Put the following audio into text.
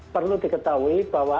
perlu diketahui bahwa